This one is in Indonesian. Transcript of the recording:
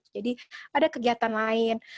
jadi ada kegiatan lain